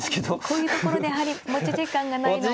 こういうところでやはり持ち時間がないのは。